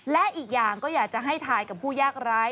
และอีกอย่างก็อยากจะให้ถ่ายกับผู้ยากร้าย